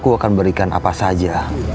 aku akan berikan apa saja